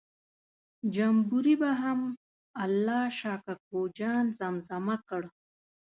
جمبوري به هم الله شا کوکو جان زمزمه کړ.